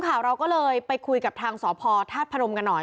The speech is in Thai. เราก็เลยไปคุยกับทางสพธาตุพนมกันหน่อย